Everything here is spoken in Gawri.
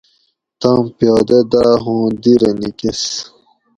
تام پیادہ داۤ ھُوں دِیرہ نِیکۤس